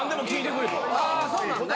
あそうなのね。